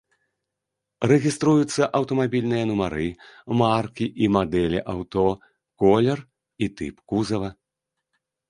Рэгіструюцца аўтамабільныя нумары, маркі і мадэлі аўто, колер і тып кузава.